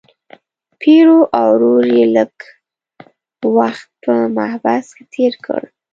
پیرو او ورور یې لږ وخت په محبس کې تیر کړ.